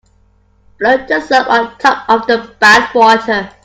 Float the soap on top of the bath water.